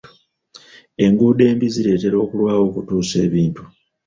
Enguudo embi zireetera okulwawo okutuusa ebintu.